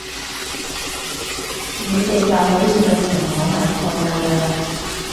你哋就可以證明我係錯㗎嘞！